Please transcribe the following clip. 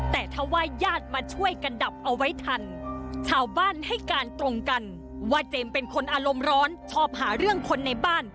แต่ถ้าว่าญาติมาช่วยกันดับเอาไว้ทันชาวบ้านให้การตรงกันว่าเจมส์เป็นคนอารมณ์ร้อนชอบหาเรื่องคนในบ้าน